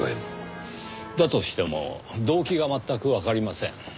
だとしても動機が全くわかりません。